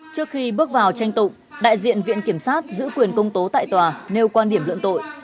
trước khi bước vào tranh tụng đại diện viện kiểm sát giữ quyền công tố tại tòa nêu quan điểm luận tội